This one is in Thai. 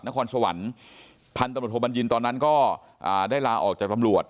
นครสวรรค์พันธุ์ตำรวจโทบัญญินตอนนั้นก็ได้ลาออกจากตำรวจ